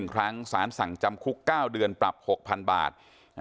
๑ครั้งสารสั่งจำคุก๙เดือนปรับ๖๐๐๐บาท